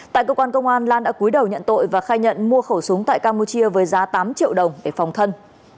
tại cơ quan công an lan đã cuối đầu nhận tội và khai nhận mua khẩu súng tại campuchia với giá tám triệu đồng để phòng thân